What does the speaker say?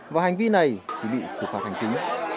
và hành vi này chỉ bị xử phạt hành chính